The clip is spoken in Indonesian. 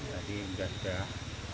jadi enggak sudah